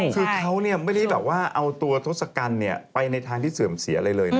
คือเขาไม่ได้แบบว่าเอาตัวทศกัณฐ์ไปในทางที่เสื่อมเสียอะไรเลยนะ